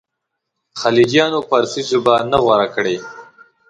خلجیانو فارسي ژبه نه ده غوره کړې.